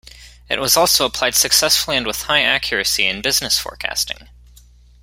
It was also applied successfully and with high accuracy in business forecasting.